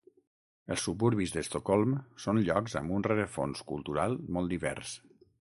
Els suburbis d'Estocolm són llocs amb un rerefons cultural molt divers.